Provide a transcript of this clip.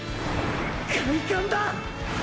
快感だ！！